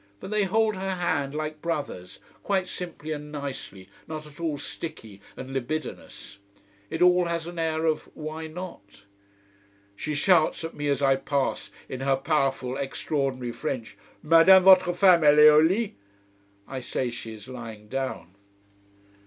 But they hold her hand like brothers quite simply and nicely, not at all sticky and libidinous. It all has an air of "Why not?" She shouts at me as I pass, in her powerful, extraordinary French: "Madame votre femme, elle est au lit?" I say she is lying down.